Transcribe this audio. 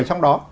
ở trong đó